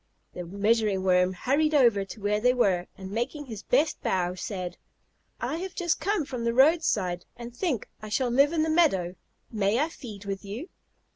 The Measuring Worm hurried over to where they were, and making his best bow said: "I have just come from the roadside and think I shall live in the meadow. May I feed with you?"